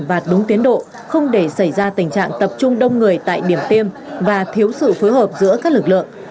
và đúng tiến độ không để xảy ra tình trạng tập trung đông người tại điểm tiêm và thiếu sự phối hợp giữa các lực lượng